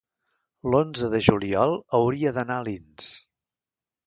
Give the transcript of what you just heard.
l'onze de juliol hauria d'anar a Alins.